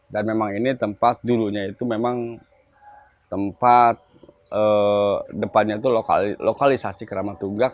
dan memang ini tempat dulunya itu memang tempat depannya itu lokalisasi keramatugak